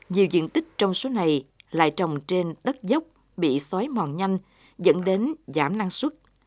nhiều diện tích trong số này lại trồng trên đất dốc bị xói mòn nhanh dẫn đến giảm năng suất